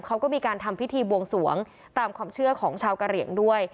เขาก็มีการทำพิธีบวงสวงตามความเชื่อของชาวกะเหลี่ยงด้วย